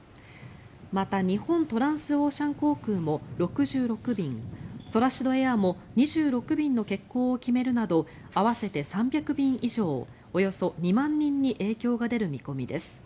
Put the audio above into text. また日本トランスオーシャン航空も６６便ソラシドエアも２６便の欠航を決めるなど合わせて３００便以上およそ２万人に影響が出る見込みです。